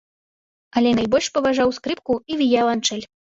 Але найбольш паважаў скрыпку і віяланчэль.